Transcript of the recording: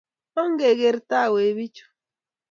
Ongeker taa wei pik chu